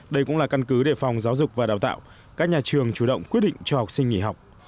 đây cũng là căn cứ để phòng giáo dục và đào tạo các nhà trường chủ động quyết định cho học sinh nghỉ học